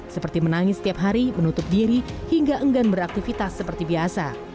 seperti menangis setiap hari menutup diri hingga enggan beraktivitas seperti biasa